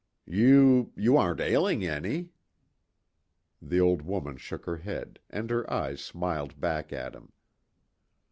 "You you aren't ailing any?" The old woman shook her head, and her eyes smiled back at him.